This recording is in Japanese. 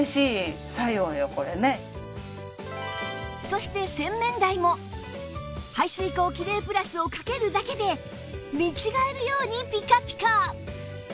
そして洗面台も排水口キレイプラスをかけるだけで見違えるようにピカピカ！